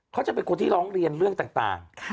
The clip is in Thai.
เขาจะเป็นคนที่ร้องเรียนเรื่องต่าง